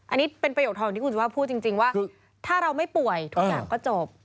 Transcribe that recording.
อันนี้เป็นประโยคทองที่คุณสุภาพพูดจริงว่าถ้าเราไม่ป่วยทุกอย่างก็จบ